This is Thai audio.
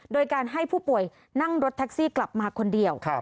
โดยการให้ผู้ป่วยนั่งรถแท็กซี่กลับมาคนเดียว